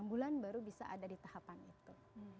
enam bulan baru bisa ada di tahapan itu